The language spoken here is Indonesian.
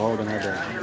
oh sudah nggak ada